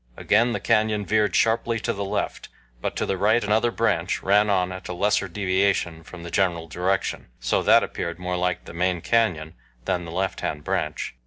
Again the canyon veered sharply to the left, but to the right another branch ran on at a lesser deviation from the general direction, so that appeared more like the main canyon than the lefthand branch.